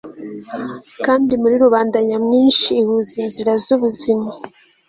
kandi muri rubanda nyamwinshi ihuza inzira z'ubuzima